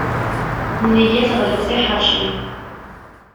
Nneyya teɣleb tiḥeṛci.